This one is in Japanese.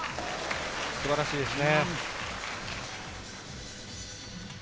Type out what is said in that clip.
素晴らしいですね。